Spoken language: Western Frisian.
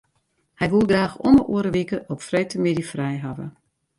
Hy woe graach om 'e oare wike op freedtemiddei frij hawwe.